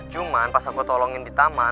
cuman pas aku tolongin di taman